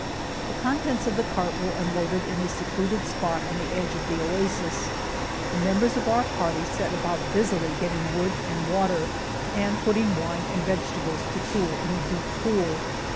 The contents of the cart were unloaded in a secluded spot on the edge of the oasis. The members of our party set about busily getting wood and water, and putting wine and vegetables to cool in a deep pool.